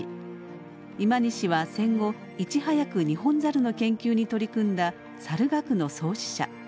今西は戦後いち早くニホンザルの研究に取り組んだサル学の創始者。